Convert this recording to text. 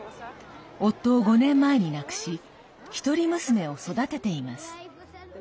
夫を５年前に亡くし一人娘を育てています。